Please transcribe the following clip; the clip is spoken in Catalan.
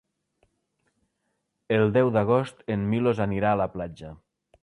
El deu d'agost en Milos anirà a la platja.